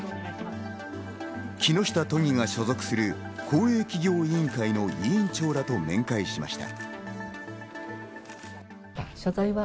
木下都議が所属する公営企業委員会の委員長らと面会しました。